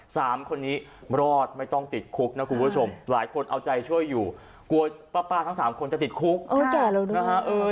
สามคนนี้รอดไม่ต้องติดคุกนะคุณผู้ชมหลายคนเอาใจช่วยอยู่กลัวป้าป้าทั้งสามคนจะติดคุกเออแก่แล้วนะ